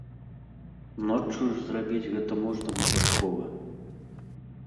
Ноччу ж зрабіць гэта можна выпадкова.